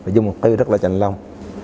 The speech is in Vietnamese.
dùng một từ rất là chẳng lòng